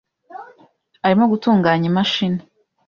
Arimo gutunganya imashini .